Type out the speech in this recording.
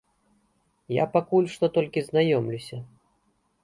Я пакуль што толькі знаёмлюся.